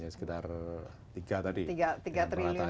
sekitar tiga triliun itu